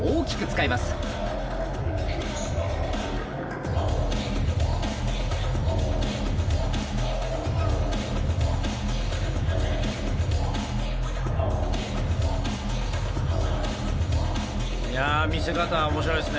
いや見せ方面白いですね。